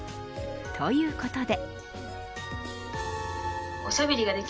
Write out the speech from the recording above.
ということで。